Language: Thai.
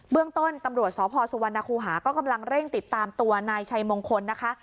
เรื่องต้นตำรวจสพสุวรรณคูหาก็กำลังเร่งติดตามตัวนายชัยมงคลนะคะ